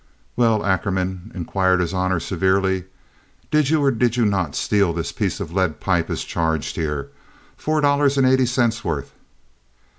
"Well, Ackerman," inquired his honor, severely, "did you or did you not steal this piece of lead pipe as charged here—four dollars and eighty cents' worth?"